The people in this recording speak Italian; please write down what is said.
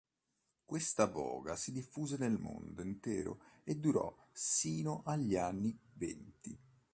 Questa voga si diffuse nel mondo intero e durò sino agli anni venti.